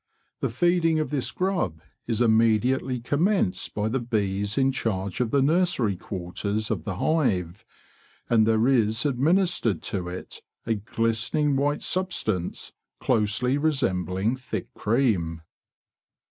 The feeding of this grub is immediately commenced by the bees in charge of the nursery quarters of the 202 THE BEE MILK MYSTERY 203 hive, and there is administered to it a glistening white substance closely resembling thick cream.